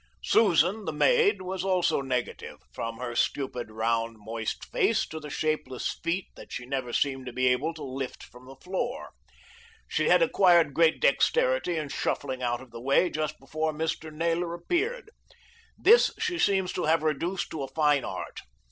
Susan, the maid, was also negative, from her stupid round, moist face to the shapeless feet that she never seemed to be able to lift from the floor. She had acquired great dexterity in shuffling out of the way just before Mr. Naylor appeared. This she seemed to have reduced to a fine art.